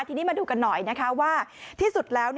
ทีนี้มาดูกันหน่อยนะคะว่าที่สุดแล้ว